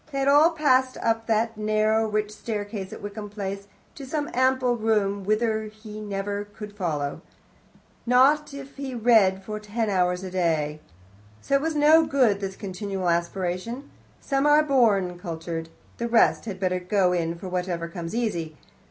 They had all passed up that narrow, rich staircase at Wickham Place, to some ample room, whither he could never follow them, not if he read for ten hours a day. Oh, it was not good, this continual aspiration. Some are born cultured; the rest had better go in for whatever comes easy.